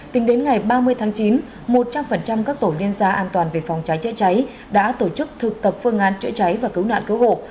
tính đến ngày ba mươi tháng chín một trăm linh các tổ liên gia an toàn về phòng cháy chữa cháy đã tổ chức thực tập phương án chữa cháy và cứu nạn cứu hộ